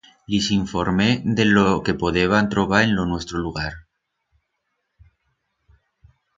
Lis s'informé de lo que podeban trobar en lo nuestro lugar.